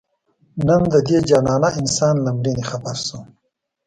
نن د دې جانانه انسان له مړیني خبر شوم